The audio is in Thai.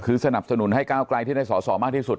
คือสนับสนุนให้ก้าวไกลที่ได้สอสอมากที่สุด